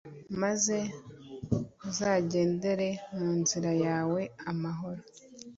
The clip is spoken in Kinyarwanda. maze uzagendere mu nzira yawe amahoro